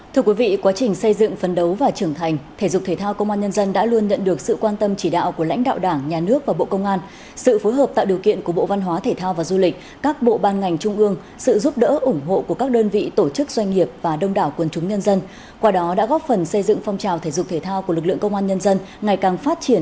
thưa quý vị quá trình xây dựng phấn đấu và trưởng thành thể dục thể thao công an nhân dân đã luôn nhận được sự quan tâm chỉ đạo của lãnh đạo đảng nhà nước và bộ công an sự phối hợp tạo điều kiện của bộ văn hóa thể thao và du lịch các bộ ban ngành trung ương sự giúp đỡ ủng hộ của các đơn vị tổ chức doanh nghiệp và đông đảo quân chúng nhân dân